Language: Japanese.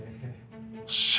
「よっしゃ！」